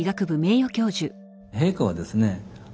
陛下はですね